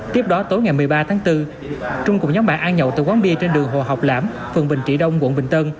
tiếp đó tối ngày một mươi ba tháng bốn trung cùng nhóm bạn ăn nhậu từ quán bia trên đường hồ học lãm phường bình trị đông quận bình tân